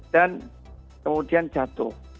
dan kemudian jatuh